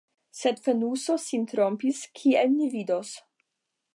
Sed Fenuso sin trompis, kiel ni vidos.